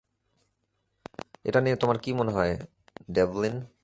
এটা নিয়ে তোমার কি মনে হয়, ডেভলিন?